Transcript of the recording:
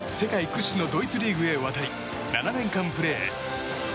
２０１４年世界屈指のドイツリーグへ渡り７年間プレー。